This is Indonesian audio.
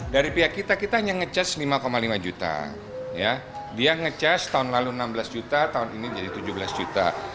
dari pihak kita kita hanya nge charge lima lima juta dia nge charge tahun lalu enam belas juta tahun ini jadi tujuh belas juta